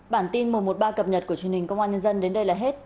bản tin mùa một ba cập nhật của chương trình công an nhân dân đến đây là hết